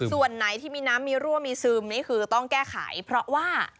ส่วนไหนที่มีน้ำมีรั่วมีซึมนี่คือต้องแก้ไขเพราะว่า